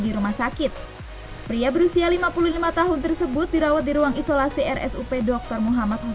di rumah sakit pria berusia lima puluh lima tahun tersebut dirawat di ruang isolasi rsup dr muhammad